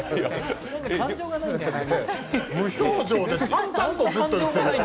無表情ですよ。